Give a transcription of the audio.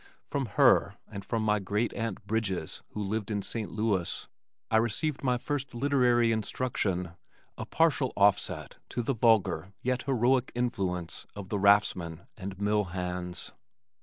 From her and from my great aunt Bridges who lived in St. Louis, I received my first literary instruction, a partial offset to the vulgar yet heroic influence of the raftsmen and mill hands.